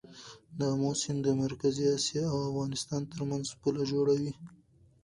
د امو سیند د مرکزي اسیا او افغانستان ترمنځ پوله جوړوي.